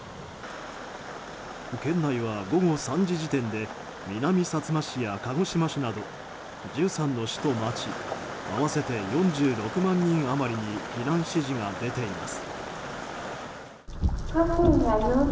県内は午後３時時点で南さつま市や鹿児島市など１３の市と町合わせて４６万人あまりに避難指示が出ています。